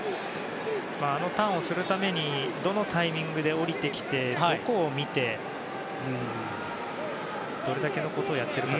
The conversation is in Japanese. あのターンをするためにどのタイミングで下りてきてどこを見てどれだけのことをやっているか。